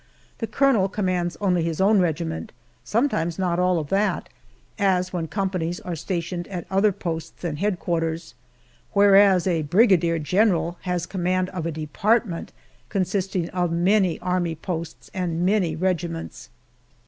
The colonel commands only his own regiment sometimes not all of that, as when companies are stationed at other posts than headquarters whereas a brigadier general has command of a department consisting of many army posts and many regiments.